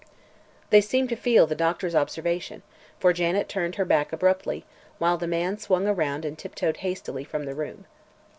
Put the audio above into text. They seemed to feel the doctor's observation, for Janet turned her back abruptly, while the man swung around and tiptoed hastily from the room.